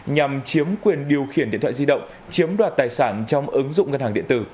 nhằm chiếm quyền điều khiển điện thoại di động chiếm đoạt tài sản trong ứng dụng vneid